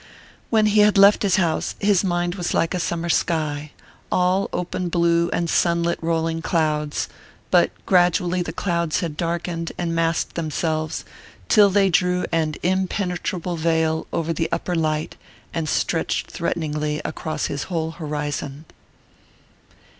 When he had left his house, his mind was like a summer sky, all open blue and sunlit rolling clouds; but gradually the clouds had darkened and massed themselves, till they drew an impenetrable veil over the upper light and stretched threateningly across his whole horizon.